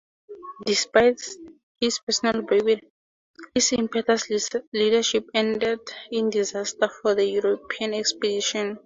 Despite his personal bravery, his impetuous leadership ended in disaster for the European expedition.